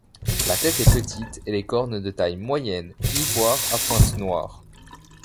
La tête est petite et les cornes de taille moyenne, ivoire à pointe noire.